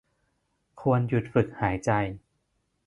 ควรหยุดฝึกหายใจ